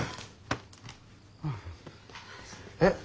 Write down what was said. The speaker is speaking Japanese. え？